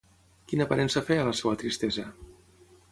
Quina aparença feia la seva tristesa?